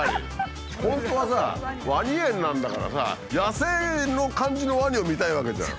本当はさワニ園なんだからさ野生の感じのワニを見たいわけじゃん。